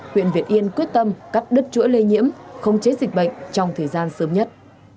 huyện việt yên quyết tâm cắt đứt chuỗi lây nhiễm không chế dịch bệnh trong thời gian sớm nhất